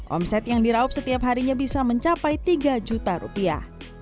omset yang diraup setiap harinya bisa mencapai tiga juta rupiah